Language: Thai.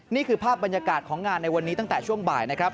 นี่คือภาพบรรยากาศของงานในวันนี้ตั้งแต่ช่วงบ่ายนะครับ